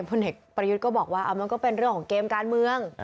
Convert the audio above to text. พลเอกประยุทธ์ก็บอกว่ามันก็เป็นเรื่องของเกมการเมือง